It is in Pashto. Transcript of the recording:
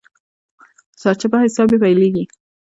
سرچپه حساب يې پيلېږي.